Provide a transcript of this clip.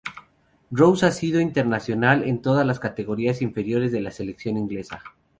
Rose ha sido internacional en todas las categorías inferiores de la selección inglesa.